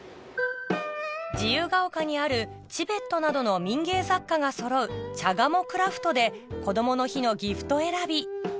自由が丘にあるチベットなどの民芸雑貨がそろう「ＣｈａｇａｍｏＣｒａｆｔ」でこどもの日のギフト選び